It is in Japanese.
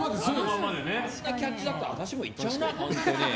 あんなキャッチだったら私も行っちゃうな。